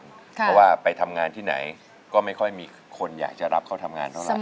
เพราะว่าไปทำงานที่ไหนก็ไม่ค่อยมีคนอยากจะรับเขาทำงานเท่าไหร